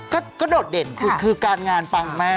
ก็โดดเด่นคุณคือการงานปังมาก